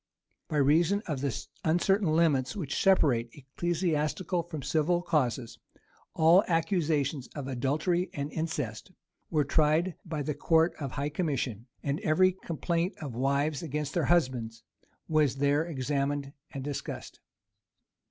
By reason of the uncertain limits which separate ecclesiastical from civil causes, all accusations of adultery and incest were tried by the court of high commission; and every complaint of wives against their husbands was there examined and discussed.